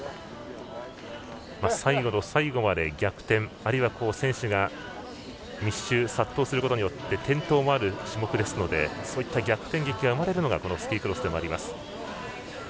最後の最後まで逆転あるいは選手が密集、殺到することで転倒もある種目なのでそういった逆転劇が生まれるのがスキークロスでもあります。